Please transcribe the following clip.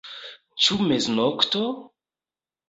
Ĉu meznokto?